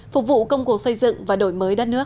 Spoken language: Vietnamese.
phục vụ công cụ xây dựng và đổi mới đất nước